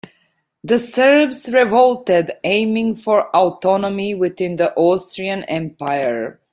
The Serbs revolted, aiming for autonomy within the Austrian Empire.